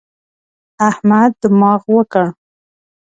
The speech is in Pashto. احمد دماغ وکړ.